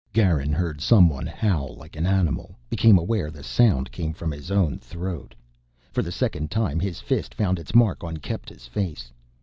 Garin heard someone howl like an animal, became aware the sound came from his own throat. For the second time his fist found its mark on Kepta's face.